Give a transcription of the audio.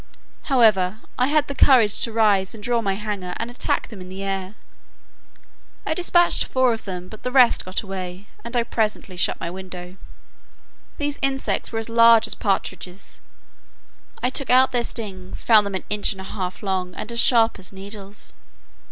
However, I had the courage to rise and draw my hanger, and attack them in the air. I dispatched four of them, but the rest got away, and I presently shut my window. These insects were as large as partridges: I took out their stings, found them an inch and a half long, and as sharp as needles.